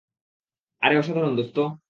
আরে, অসাধারণ দোস্ত।